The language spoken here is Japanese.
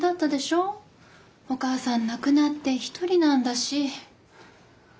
お母さん亡くなって一人なんだし。